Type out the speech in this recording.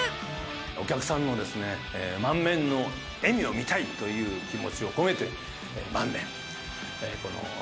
お客さんの満面の笑みを見たいという気持ちを込めて、満面。